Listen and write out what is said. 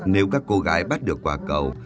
nếu các cô gái bắt được quả cầu